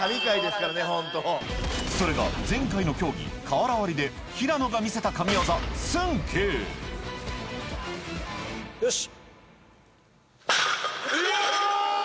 それが前回の競技瓦割りで平野が見せた神業よし。